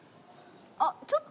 あっちょっと。